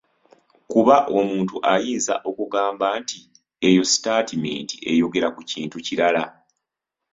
Kuba omuntu ayinza okugamba nti eyo sitaatimenti eyogera ku kintu kirala.